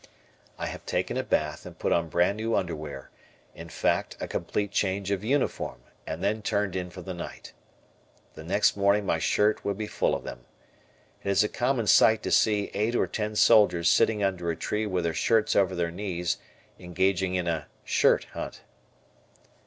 I have taken a bath and put on brand new underwear; in fact, a complete change of uniform, and then turned in for the night. The next morning my shirt would be full of them. It is a common sight to see eight or ten soldiers sitting under a tree with their shirts over their knees engaging in a "shirt hunt."